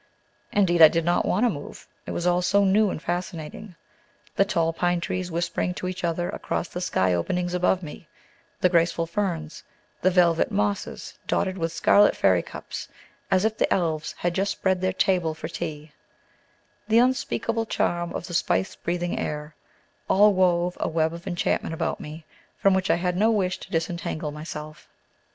Indeed, I did not want to move, it was all so new and fascinating. The tall pine trees whispering to each other across the sky openings above me, the graceful ferns, the velvet mosses dotted with scarlet fairy cups, as if the elves had just spread their table for tea, the unspeakable charm of the spice breathing air, all wove a web of enchantment about me, from which I had no wish to disentangle myself.